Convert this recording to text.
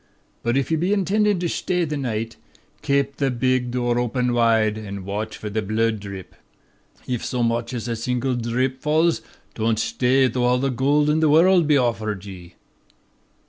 But if ye be intendin' to shtay this night, kape the big dhoor open whide, an' watch for the bhlood dhrip. If so much as a single dhrip falls, don't shtay though all the gold in the worrld was offered ye.'